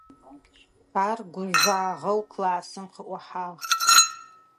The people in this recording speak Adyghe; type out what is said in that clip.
Ар гужъуагъэу классым къыӀухьагъ.